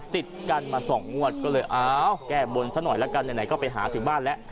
ติดกันมา๒งวดก็เลยอ้าวแก้บนซะหน่อยละกันไหนก็ไปหาถึงบ้านแล้ว